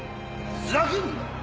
ふざけんな！